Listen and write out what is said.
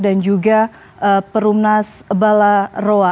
dan juga perumnas bala roa